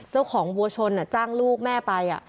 เจ้าของวัวชนจ้างลูกแม่ไป